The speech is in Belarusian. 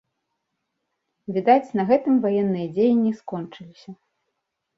Відаць, на гэтым ваенныя дзеянні скончыліся.